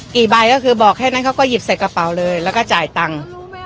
ใบก็คือบอกแค่นั้นเขาก็หยิบใส่กระเป๋าเลยแล้วก็จ่ายตังค์